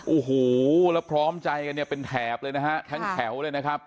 โอ้โหแล้วพร้อมใจกันเนี่ยเป็นแถบเลยนะฮะทั้งแถวเลยนะครับ